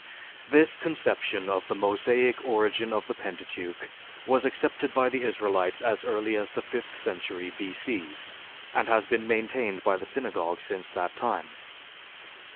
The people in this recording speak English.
This conception of the Mosaic origin of the Pentateuch was accepted by the Israelites as early as the fifth century B.C. and has been maintained by the Synagogue since that time.